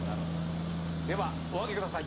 ではお上げください。